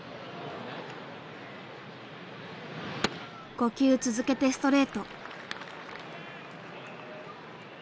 ５球続けてストレート。